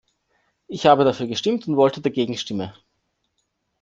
Ich habe dafür gestimmt und wollte dagegen stimmen.